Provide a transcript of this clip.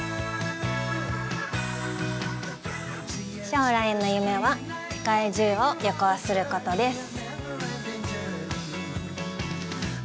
将来の夢は、世界中を旅行することです。